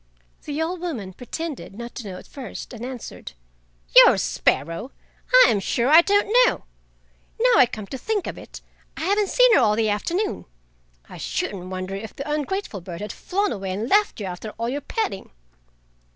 The old woman pretended not to know at first, and answered: "Your sparrow? I am sure I don't know. Now I come to think of it, I haven't seen her all the afternoon. I shouldn't wonder if the ungrateful bird had flown away and left you after all your petting!"